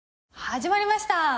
始まりました。